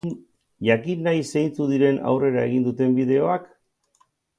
Jakin nahi zeintzuk diren aurrera egin duten bideoak?